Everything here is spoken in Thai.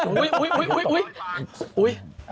โอ้ยโอ้ยตลอดเลยค่ะ